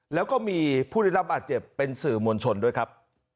แล้วก็มีผู้ได้รับบาดเจ็บเป็นสื่อมวลชนด้วยครับ